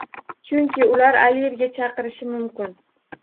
Chunki ular allergiya chaqirishi mumkin.